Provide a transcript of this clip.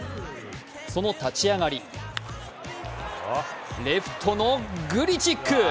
その立ち上がり、レフトのグリチック！